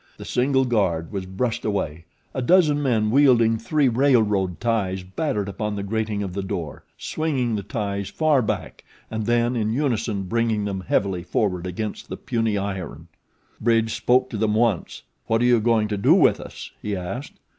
The single guard was brushed away. A dozen men wielding three railroad ties battered upon the grating of the door, swinging the ties far back and then in unison bringing them heavily forward against the puny iron. Bridge spoke to them once. "What are you going to do with us?" he asked.